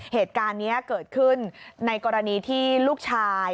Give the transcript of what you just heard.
เหตุการณ์นี้เกิดขึ้นในกรณีที่ลูกชาย